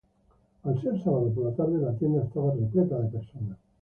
Al ser sábado por la tarde, la tienda estaba repleta de personas.